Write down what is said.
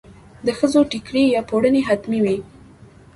د ښځو ټیکری یا پړونی حتمي وي.